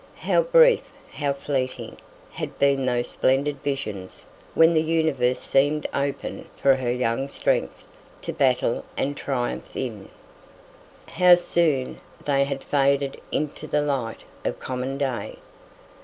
How brief, how fleeting, had been those splendid visions when the universe seemed open for her young strength to battle and triumph in! How soon they had faded into the light of common day!